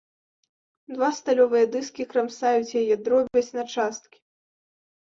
Два сталёвыя дыскі крамсаюць яе, дробяць на часткі.